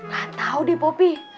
gak tau deh popi